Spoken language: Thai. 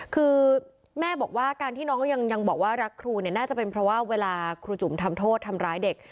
คือแม่บอกว่าการที่น้องก็ยังบอกว่ารักครูเนี่ยน่าจะเป็นเพราะว่าเวลาครูจุ๋มทำโทษทำร้ายเด็ก